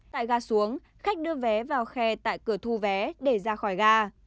tại gà xuống khách đưa vé vào khe tại cửa thu vé để ra khỏi gà